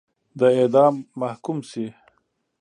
د اعدام محکوم شي.